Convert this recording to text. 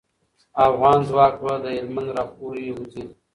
افغان ځواک به له هلمند راپوری وځي.